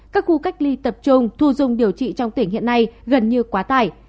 các khu cách ly tập trung thu dung điều trị trong tỉnh hiện nay gần như quá tải